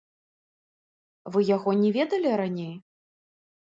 Вы яго не ведалі раней?